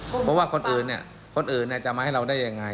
เพราะว่าคนอื่นเนี่ยคนอื่นจะมาให้เราได้ยังไง